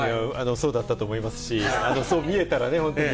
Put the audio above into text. そうだったと思いますし、そう見えたらね、本当に。